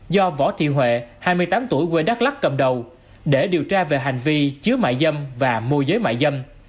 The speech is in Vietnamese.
do võ thị huệ hai mươi tám tuổi quê đắk lắc cầm đầu để điều tra về hành vi chứa mại dâm và mô giới mại dâm